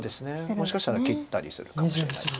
もしかしたら切ったりするかもしれないです